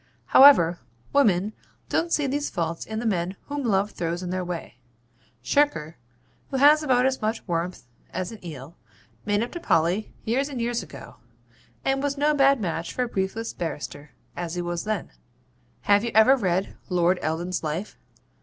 However, women don't see these faults in the men whom Love throws in their way. Shirker, who has about as much warmth as an eel, made up to Polly years and years ago, and was no bad match for a briefless barrister, as he was then. Have you ever read Lord Eldon's Life?